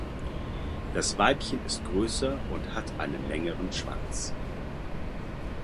Das Weibchen ist größer und hat einen längeren Schwanz.